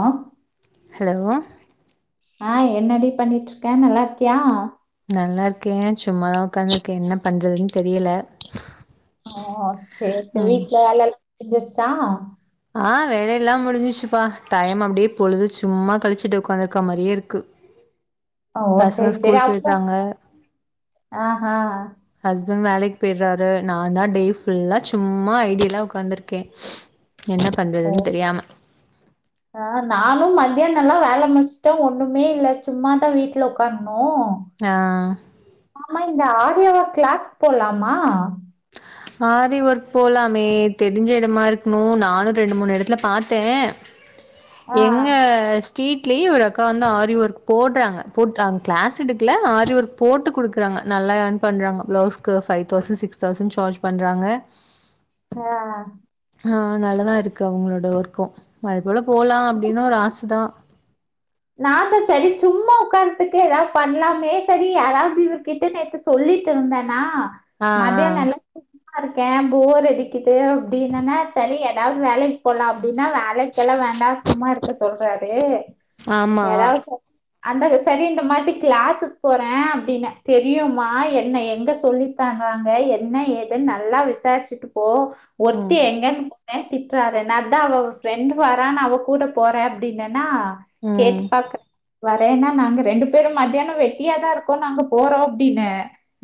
ஆஹ ஹலோ ஆஹ் என்னடி பண்ணிட்டு இருக்க நல்லா இருக்கியா நல்லாயிருக்கேன் சும்மாதான் உட்காந்துருக்கேன் என்ன பண்ணுறதுன்னு தெரியல ஆஹ சேட்டு ம் வீட்டுல அலல் [unintelligible] ஷா ஆஹ் வேல எலாம் முடிஞ்சிச்சுப்பா டைம் அப்டியே பொழுது சும்மா கழிச்சுட்டு உக்காந்துருக்க மாரியே இருக்கு ஓ பசங்க சரி சரி ஸ்கூல் அ போயிட்றாங்க ஆஹ்ஹ் இவர் வேலைக்கு போயடுறாரு நான் தான் டே ஃபுல்லா சும்மா ஐடிய எலாம் உக்காந்துருக்கேன் என்ன பண்றதுன்னு தெரியாம ஆஹ் நானும் மத்தியானம் எல்லா வேல முடிச்சுட்டேன் ஒண்ணுமே இல்ல சும்மாதான் வீட்டுல உக்காரு ஆ [unintelligible] ஆமா இந்த ஆர்யாவா கிளா போலாமா ஆரி ஒர்க் போலாமே தெரிஞ்ச எடமா இருக்குணு நானு ரெண்டு மூணு எடத்துல பாத்தே ஆ எங்க ஸ் வீட்டுலையும் ஒரு அக்கா வந்து ஆரி ஒர்க் போட்றாங்க போட்டாங் கிளாஸ்சுடுக்கல ஆரி ஒர்க் போட்டு கொடுக்குறாங்க நல்லா ஏர்ன் பண்றாங்க ப்ளவுஸ்க்கு five thousand six thousand charge பண்றாங்க அ ஆன் நல்லதா இருக்கு அவங்களோட ஒர்க்கு அதுக்குள்ள போலாம் அப்டின்னு ஒரு ஆசத்தான் நாம சரி சும்மா உட்காந்துட்டுக்கு ஏதாவது பண்லாமே சரி யதாவது இவர் கிட்ட நேத்து சொல்லிட்டு இருந்தேன்னா ஆ ஆ மதிய நல்ல சுங்கிட்தான் இருக்கே போர் அடிக்குது அப்படின்னேனா ச்சரி [inaudible] வேலய்யி கொலாம் அப்டின்னா வேலைக்கெல்லா வேண்டா சும்மா இருக்க சொல்றாறே ஆமா அன்டக சரி இந்த மாதி கிளாஸுக் போறே அப்டின தெரியுமா என்ன எங்க சொல்லி தாராங்க என்ன ஏதுன் நல்லா விசாரிச்சுட்டு போ ம் ஒத்து எங்க நே திட்றாரு நாதான் அவ ஃப்ரெண்டு வரா நா அவ கூட போறே அப்டின்னன்னா கேட்டு ம் பாக்கு வரேன்னா நாங்க ரெண்டு பேரு மத்தியான வெட்டியாதா இருக்கோ நாங்க போறோ அப்படின்ன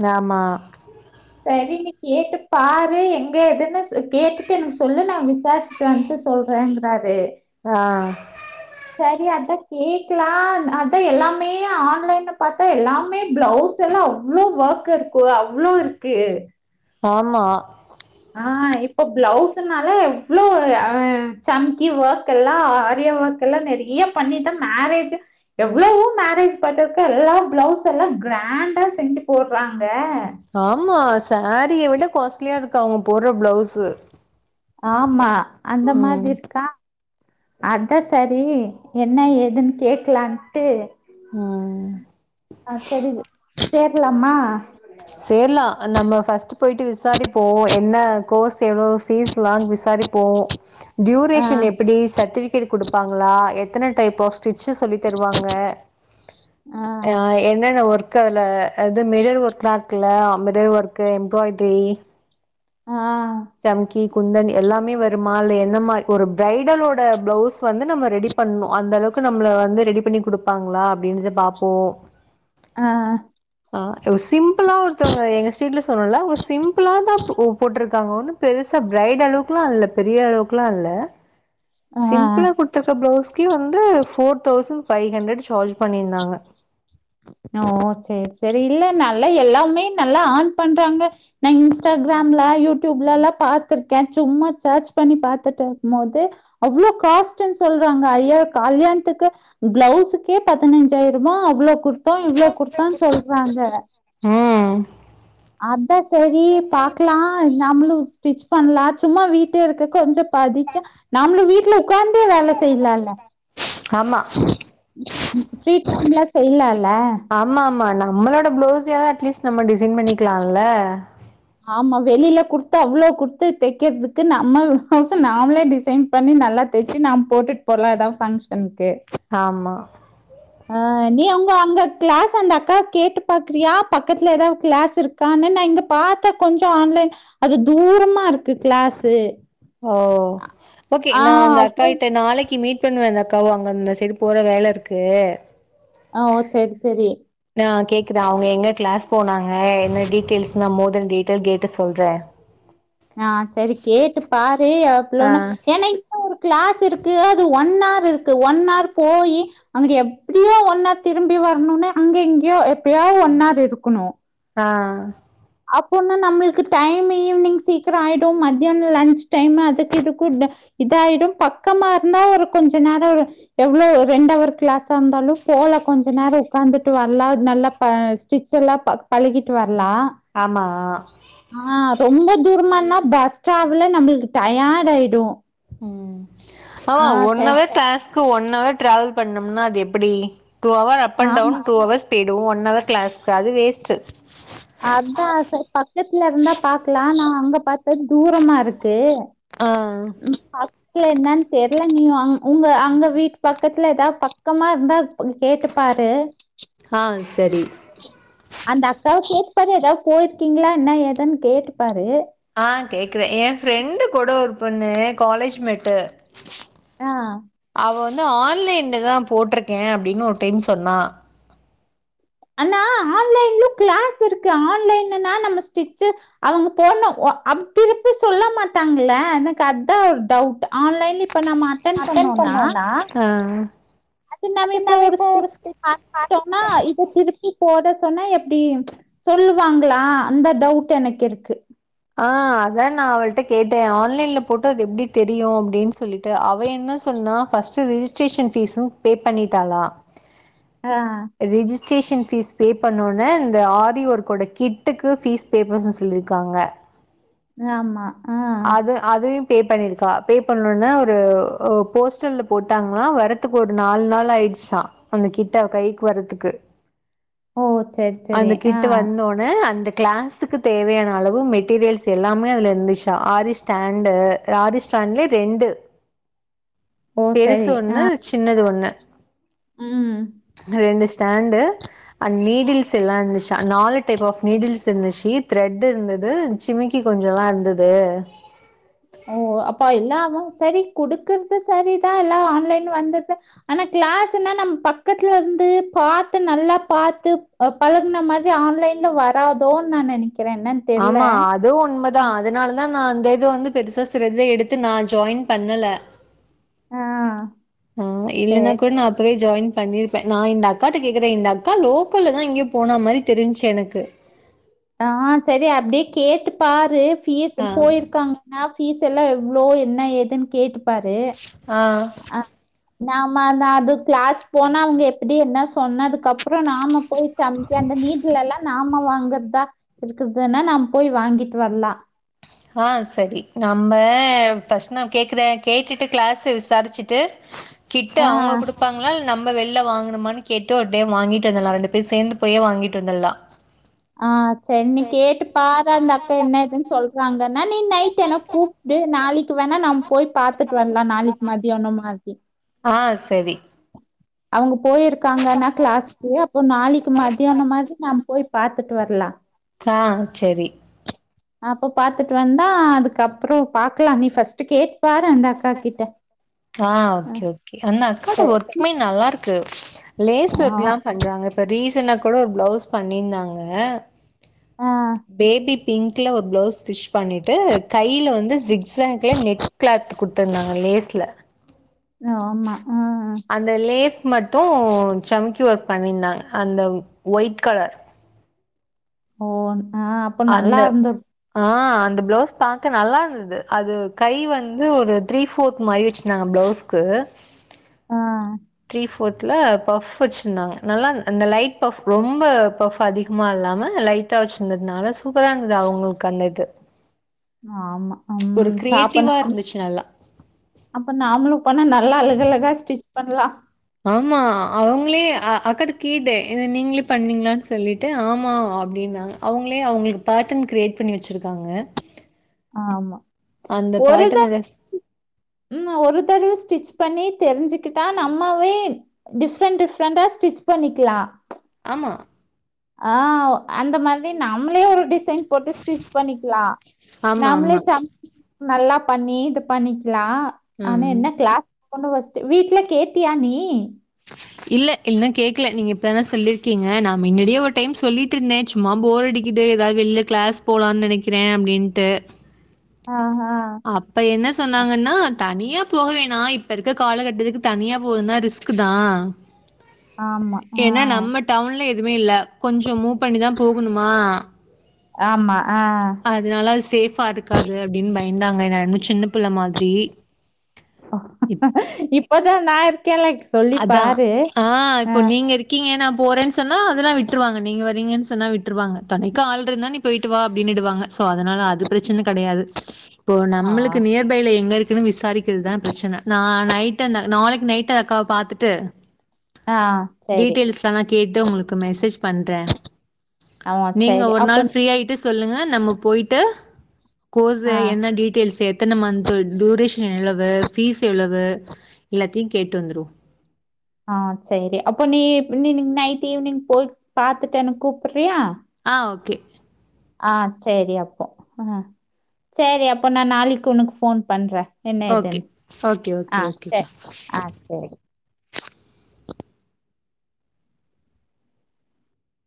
நாமா செரி நீ கேட்டு பாரு எங்க எதுன்னு சொ கேட்டுட்டு எனக் சொல்லு நா விசாரிச்சுட்டு வந்து சொல்றேங்கறாரு ஆ சரி அத வீட்டுலா அத்து எல்லாமே ஆன்லைன்ல பாத்து எல்லாமே ப்பளவுஸ் எல்லா அவ்ளோ வோர்க்கு இருக்கு அவ்ளோ இர் க்கு தமா ஆஹ் இப்போ ப்பளவுஸ்னாலே இவ்ளோ ஹ ச்சம்கி வொர்க்லா ஆரிய வொர்க் எல்லா நெறிய பண்ணித்தா மேரேஜே எவ்வளவோ மேரேஜ் பாத்துக்க எல்லா ப்பளவுஸ் எல்லா கிராண்டா செஞ்சு போடறாங்க ஆமா சாரியவிட காஸ்லியா இருக்கு அவுங்க போடற ப்பளவுஸ்சு ஆமா அந்த மாதிருக்கா அத சரி என்ன ஏதுன் கேக்கலான்ட்டு ம் ஹ ஜரிச் சேர்லாமா சேர்லா நாம ஃஸ்ட் போய்ட்டு விசாரிப் போம் என்ன கோஸ் எவ்ளோ ஃபீஸ் லாம் விசாரிப்போம் ஆ டியூரேஷன் எப்டி சட்டிவிகேட் கொடுப்பாங்களா எ த்தன டைப் போஸ் ஃபிட்சு சொல்லி தருவாங்க ஹ ஆ என்னென்ன ஒர் கல அது மிடில் ஒர்க்காலம் இல்ல அம்பது ஒர்க் எம்ப்ராய்ட்ரி ஆ சம்கி குந்தன் எல்லாமே வருமா இல்ல எந்த மாரி ஒரு பிரைடலோட பிளவுஸ் வந்து நம்ம ரெடி பண்ணும் அந்த அளவுக்கு நம்மள வந்து ரெடி பண்ணி கொடுப்பாங்களா அப்டின்றத பாப்போம் ஆ ஆ ஆ ஒரு சிம்பிளா ஒருத்தவங்க எங்க ஸ்ரிட்ல சொன்னல அவுங்க சிம்பிளா தான் போட்டிருக்காங்க ஒன்னு பெருசா பிரைட் அளவுக்குலாம் இல்ல பெரிய அளவுக்குலாம் இல்ல ஆ சிம்பளா குடுத்தாக்க ப்ளவுஸ் வந்து four thousand five hundred charge பண்ணியிருந்தாங்க ஓகே செரி இல்ல நல்லா எல்லாமே நல்லா ஆன் பண்றாங்க நான் இன்ஸ்டாகிராம்ல யூடியூப்லலாம் பாத்திருக்கேன் சும்மா சர்ச் பண்ணி பாத்துட்டு இருக்கும் போது அவ்ளோ காஸ்ட்ன்னு சொல்றாங்க ஐயா கல்யாணத்துக்கு பிளவுஸுக்கே பதினைஞ்சாயிரூவா அவ்வளோ குடுத்தோம் இவ்ளோ கொடுத்தோனு சொல்றாங்க அ அதான் சரி பாக்லாம் நம்மளும் ஸ்டிச் பண்ணலாம் சும்மா வீட்டே இருக்க கொஞ்சோம் பதிச்சா நம்மளும் வீட்டுல உட்காந்து வேல செய்லாம்ல்ல ஆமா ஃப்ரீ டைம்ல செய்லால ஆமா ஆமாண்ணா நம்மளோட பிளவுஸ் யாவது அட்லீஸ்ட் நம்ம டிசைன் பண்ணிக்லால ஆமா வெளியில குடுத்து அவ்வளோ குடுத்து தைக்கிறதுக்கு நம்ம பிளவுஸ நாமளே டிசைன் பண்ணி நல்லா தச்சு நாம போட்டுட்டு போலாம் எதாது ஃபங்க்ஷனுக்கு ஆமா அ நீ உங்க அங்க கிளாஸ அந்த அக்காவ கேட்டு பாக்குறியா பக்கத்துல ஏதாவது கிளாஸ் இருக்கானு நான் இங்க பாத்தேன் கொஞ்சோம் ஆன்லைன் அது தூரமா இருக்கு கிளாஸு ஓ ஓகே ஆ நான் அந்த அவ்ளோ அக்காகிட்ட நாளக்கி மீட் பண்ணுவே அந்த அக்காவு அவுங்க அந்த சைடு போற வேல இருக்கு ஓ செரி செரி ஆ கேக்குதா அவுங்க எங்க கிளாஸ் போனாங்க என்ன டீட்டெயல்ஸ் நான் மோர்தென் டீட்டெயல் கேட்டு சொல்றேன் ஆ செரி கேட்டு பாரு செரி ஆ அப்ளோன்ன என்ன இப்போ ஒரு கிளாஸ் இருக்கு அது ஒன் ஆர் இருக்கு ஒன் ஆர் போயி அங்க எப்புடியோ ஒன் ஆர் திரும்பி வரணும்னு அங்க இங்கயோ எப்டியாது ஒன் ஆர் இருக்கணும் ஆ அப்பனா நம்மளுக்கு டைமு ஈவினிங் சீக்கிரம் ஆயிடும் மத்தியானம் லன்ச் டைம் அதுக்கு இதுக்கும் இதாயிடும் பக்கமா இருந்தா ஒரு கொஞ்ச நேரோம் ஒரு எவ்ளவு ரெண்டு அவர் கிளாஸா இருந்தாலும் போலா கொஞ்ச நேரம் உட்காந்துட்டு வரலாம் நல்லா ஸ்டிச்ல்லாம் பழகிட்டு வரலாம் ஆமா ரொம்ப தூரமானா பஸ் டிராவலே நம்மளுக்கு டயர்ட் ஆயிடும் ம் ஆமா one hour class one hour travel பண்ணும்னா அது எப்டி டூ அவர் அப் அண்ட் ஆமா டவுன் டூ அவர்ஸ் பேய்டும் ஒன் அவர் கிளாஸுக்கு அது வேஸ்ட்டு அதான் செரி பக்கத்துல இருந்தா பாக்கலாம் நான் அங்க பாத்தேன் தூரமா இருக்கு ஆ இல்ல என்னான்னு தெரில நீ உங்க அங்க வீட்டு பக்கத்துல ஏதாவது பக்கமா இருந்தா [inaudible] கேட்டு பாரு ஆ சரி அந்த அக்காவை கேட்டுப்பாரு ஏதாவது போயிருக்கீங்களா என்ன ஏதன்னு கேட்டுப்பாரு ஆஹ கேக்குறேன் என் ஃப்ரெண்டு கூட ஒரு பொண்ணு காலேஜ்மெட்டு ஆ அவ வந்து ஆன்லைன்லதான் போட்டிருக்கே அப்படின்னு ஒரு டைம் சொன்னா ஆனா ஆன்லைன்லும் கிளாஸ் இருக்கு ஆன்லைனா நம்ம ஸ்டிச்ச அவங்க போன திருப்பி சொல்ல மாட்டாங்கள எனக்கு அதான் ஒரு டவுட் ஆன்லைல அட்டென் பண்னணா ம் ம் அது நாம இப்ப ஒரு ஸ்ட்ச் பாத்தோம் இப் திருப்பி போட சொன்னா எப்டி சொல்லுவாங்களா அந்த டவுட் எனக்கு இருக்கு ஆஹ அதான் நான் அவளிட்ட கேட்டேன் ஆன்லைன்ல போட்டு அது எப்படி தெரியும் அப்படின்னு சொல்லிட்டு அவன் என்ன சொன்னா பஸ்ட்டு ரிஜிஸ்டரேஷன் பிஸ்சும் பே பண்ணிட்டாளா ஆ ரிஜிஸ்ட்ரேஷன் பீஸ் பே பண்ணோனா இந்த ஆரிஒர்க்குடே கிட்டுக்கு பீஸ் பே பண்ண சொல்லியிருக்காங்க ஆமா ஆஹ அதுவு பே பண்ணிருக்கா பே பண்ணுனோனா ஒரு போஸ்டர்ல போட்டாங்களா வரறதுக்கு ஒரு நாலு நாள் ஆயிடுச்சான் அந்த கிட்ட அவ கைக்கு வரதுக்கு ஓ செரி செரி அந்த ஆ கிட்டு வந்தோனே அந்த கிளாஸ்க்குத் தேவையான அளவு மெட் மெட்ரியல்ஸ் எல்லாமே அதுல இருந்துச்சா ஆரிஸ்டாண்டு ஆரிஸ்டாண்டுலேயே ரெண்டு ஓ பெருசு சரி ஆ ஒண்ணு சின்னது ஒண்ணு ம் ரெண்டுஸ் ஸ்டாண்டு அன் நிடில்ஸ் எல்லாம் இருந்துச்சு நாலு டைப்ஆப் நீடில்ஸ் இருந்துச்சு த்ரெட் இருந்தது சிமிக்கி கொஞ்சம் தான் இருந்தது ஓ அப்போ இல்லாமும் சரி குடுக்கறது சரிதான் எல்லாம் ஆன்லைன்ல வந்துது ஆனா கிளாஸ்னா நம்ம பக்கத்துல வந்து பாத்து நல்லா பாத்து பழகுன மாரி ஆன்லைன்ல வராதோ நான் நினைக் ஆமா அதுவும் உண்மைதான் அதனாலான் ஆனா நான் அந்த இதவந்து பெருசா சிறித எடுத்து நான் ஜாயின் பண்ணல ஆ ஆஹ சேரி இல்லனா கூட நான் அப்பவே ஜாயின் பண்ணிருப்பேன் நான் இந்த அக்காட்டா கேக்குற இந்த அக்கா லோக்கல்ல தான் எங்கயோ போன மாரி தெரிஞ்ச்சு எனக்கு ஆஹ சரி அப்படியே கேட்டு பாரு இஸ் ஆ போயிருக்காங்க நான் பீஸ் எல்லாம் எவ்வளோ என்ன ஏதுன்னு கேட்டு பரு ஆ ஹ நாம அந்த அது கிளாஸ் போனா அவங்க எப்படி என்ன சொன்னதுக்கப்பறம் நாமு போயி சாமைக்கு அந்த வீட்டுல எல்லாம் நாம வாங்கறதா இருகர்தானுன்னா நாம் போய் வாங்கிட்டு வரலாம் ஆஹ சரி நம்ம பஸ்ட் நான் கேக்குறேன் கேட்டுட்டு கிளாஸ் விசாரிச்சுட்டு கிட்ட ஆ அவங்க கொடுப்பாங்களா நம்ம வெளில வாங்கணுமான்னு கேட்டு ஒரு டைம் வாங்கிட்டு வந்தலாம் ரெண்டு பேரும் சேர்ந்து போயே வாங்கிட்டு வந்துடலாம் ஆ செரி நீ கேட்டு பாரு அந்த அக்கா என்ன இதுன்னு சொல் வாங்கன்னா நீ நைட் என்னா கூப்பிட்டு நாளக்கு வேணா நம் போய் பாத்துட்டு வரலாம் நாளக்கு மத்தியானம் மாரி ஆ சரி அவங்க போயிருக்காங்கன்னா கிளாசுக்கு அப்போது நாளைக்கு மத்ததியானமா நம் பாத்துட்டு வரலாம் ஆ செரி அப்ப பாத்துட்டு வந்தா அதுக்கப்பறம் பாக்கலாம் நீ ஃபர்ஸ்ட் கேட் பாரு அக்கா கிட்ட ஆ ஓகே ஓகே அந்த அக்காட சரி ஒர்க்மே நல்லா க்கு லேஸ் ஆ ஓர்க்லாம் பண்றாங்க இப்ப ரீஸ் [inaudible] கூட ஒரு பிளவுஸ் பண்ணியிருந்தாங்க ஆ பேபி பிங்க்ல ஒரு ப்ளவுஸ் ஸ்டிச் பண்ணிட்டு கையில் வந்து சிக்ஸாக்கில் நெட் கிளாத் கொடுத்துருந்தாங்க லேஸ்ல ஆமா ம் மட்டும் சமக்கி ஒர்க் பண்ணியிருந்தாங்க அந்த ஒயிட் கலர் ஓ ஆ அப்போ நல்லா அந்த இருந்து ஆ அந்த பிளவுஸ் பாக்க நல்லா இருந்தது அது கை வந்து ஒரு த்ரீ போர்த் மாரி வச்சிருந்தாங்க பிளவுஸ்க்கு ஆ த்ரீ போர்த்ல பஃப் வச்சிருந்தாங்க நல்லா அந்த லைட் பஃப் ரொம்ப பஃப் அதிகமா இல்லாம லைட்டா வச்சிருந்ததுனால சூப்பரா இருந்தது அவங்களுக்கு அந்த இது ஆமாப்ப ஒரு கிரியேட்டிவா உம் இருந்துச்சு நல்லா அப்ப நாமளும் பண்ண நல்லா அழகழகா பண்ணலா ஆமா அவங்களே அக்கட கேட்டேன் நீங்களே பண்ணீங்களான்னு சொல்லிட்டு ஆமா அப்டின்னாங்க அவங்களே அவங்களுக்கு பேட்டன் கிரியேட் பண்ணி வச்சிருக்காங்க ஆமா அந்த ஒரு த பேட்டனோட ம் ஒரு தடவு ஸ்டிச் பண்ணி தெரிஞ்சுக்கிட்டா நம்மாவே டிஃப்ரெண்ட் டிஃப்ரெண்டா ஸ்டிச் பண்ணிக்கலாம் ஆமா ஆ அந்த மாரி நம்மளே ஒரு டிசைன் போட்டு ஸ்டிச் பண்ணிக்கலாம் ஆமா நாமளே ஆமா. சா நல்லா பண்ணி இது பண்ணிக் லாம் ஆனா ம். என்ன கிளாஸ் கூட வச்சுட்டு வீட்டு்ல கேட்டியா நீ இல்ல இன்னும் கேக்கல நீங்க இப்பதானே சொல்லிருக்கீங்க நான் முன்னாடியே ஒரு டைம் சொல்லிட்டு இருந்தேன் சும்மா போர் அடிக்குது ஏதாவது வெளியில கிளாஸ் போலாம்னு நெனைக்கிறேன் அப்டின்ட்டு ஆஹ்ஹ அப்ப என்ன சொன்னாங்கன்னா தனியா போக வேணாம் இப்ப இருக்க காலகட்டத்துக்கு தனியா போகுதுனா ரிஸ்க் தான் ஆமா. ஆ ஏன்னா நம்ம டவுன்ல எதுவுமே இல்ல கொஞ்சம் மூவ் பண்ணிதா போகணுமா ஆமா ஆ அதனால சேஃபா இருக்காது அப்படின்னு பயந்தாங்க எல்லாம சின்ன பிள்ள மாதிரி இப்பதான் நான் அதான் ஆஹ் ஆ இப்போ நீங்க இருக்கீங்க ஏன்னா போறேன்னு சொன்னா அதெல்லாம் விட்டுருவாங்க நீங்க வரீங்கன்னு சொன்னா விட்டுருவாங்க துனைக்க ஆள் இருந்தா நீ போயிட்டு வா அப்படின்னு விடுவாங்க சோ அதனால அது பிரச்சனை கிடையாது இப்போ ஆ நம்மளுக்கு நியர்பைல எங்க இருக்கு விசாரிக்கிறதுதான் பிரச்சனை நா நைட் நாளைக்கு நைட் அத காப் பாத்துட்டு ஆ சரி. டீடெயில்ஸ்லாம் நான் கேட்டு உங்களுக்கு மெசேஜ் பண்றேன் ஆ நீங்க சரி. ஒரு அப்போ நாள் நீ ஃப்ரீ ஆயிட்டு சொல்லுங்க நம்ம போயிட்டு கோர்ஸு ஆ என்ன டீட்டெயில்ஸ் எத்தனை மந்த் டூரேஷன் எவ்ளவு ஃபீஸ் எவ்வளவு எல்லாத்தையும் கேட்டு வந்துருவோம் ஆஹ் சரி அப்போ நீ நீ நீ நைட் ஈவி்னிங் போய் பாத்துட் என்னக் கூப்பிடுறியா ஆ ஓகே ஆஹ் சரி அப்போ ஆஹ் சரி அப்போ நான் நாளைக்கு உனக்கு போன் பண்றேன் ஓகே என்னதுன்னு ஓகே ஓகே ஆஹ் ஓகேக்கா சரி ஆஹ் சரி